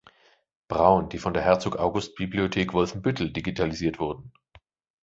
Braun", die von der "Herzog August Bibliothek Wolfenbüttel" digitalisiert wurden.